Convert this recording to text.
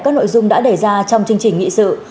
các nội dung đã đề ra trong chương trình nghị sự